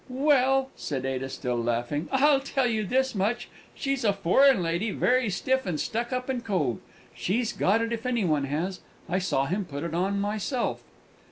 "Well," said Ada, still laughing, "I'll tell you this much she's a foreign lady, very stiff and stuck up and cold. She's got it, if any one has. I saw him put it on myself!"